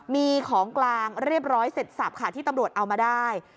มีของกลางเรียบร้อยเสร็จสับค่ะที่ตำรวจเอามาได้